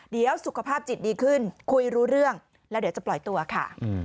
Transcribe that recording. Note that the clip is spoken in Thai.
เดี๋ยวสุขภาพจิตดีขึ้นคุยรู้เรื่องแล้วเดี๋ยวจะปล่อยตัวค่ะ